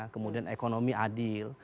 kemudian ekonomi adil